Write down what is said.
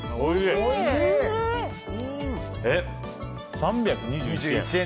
３２１円？